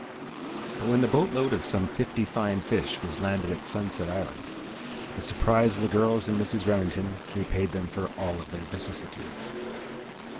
But when the boatload of some fifty fine fish was landed at Sunset Island, the surprise of the girls and Mrs. Remington repaid them for all of their vicissitudes.